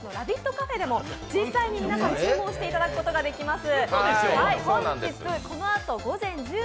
カフェでも実際に皆さん、注文していただくことができます。